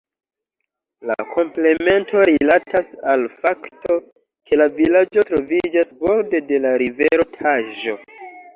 La komplemento rilatas al fakto ke la vilaĝo troviĝas borde de la rivero Taĵo.